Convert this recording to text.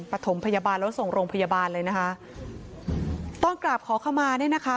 ปฐมพยาบาลแล้วส่งโรงพยาบาลเลยนะคะตอนกราบขอขมาเนี่ยนะคะ